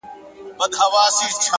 ریښتینی ملګری حقیقت نه پټوي،